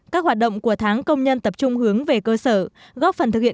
các hoạt động của tháng công nhân tập trung hướng về cơ sở góp phần thực hiện